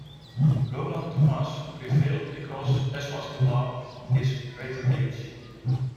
Roland Dumas prevailed because, as was the law - his greater age.